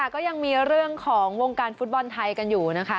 ก็ยังมีเรื่องของวงการฟุตบอลไทยกันอยู่นะคะ